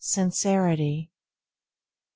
Sincerity 7.